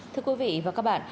thưa quý vị và các bạn